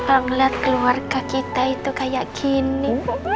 kalo ngeliat keluarga kita itu kayak gini